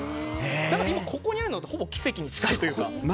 だから今ここにあるのってほぼ奇跡に近いというか。